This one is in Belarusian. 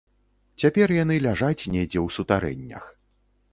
Цяпер яны ляжаць недзе ў сутарэннях.